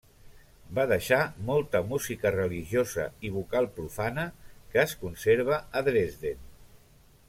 Va deixar molta música religiosa i vocal profana, que es conserva a Dresden.